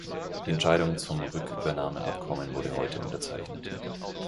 Die Entscheidung zum Rückübernahmeabkommen wurde heute unterzeichnet.